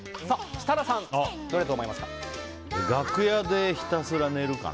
設楽さん、どれだと思いますか？